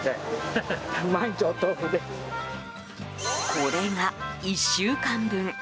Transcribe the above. これが１週間分。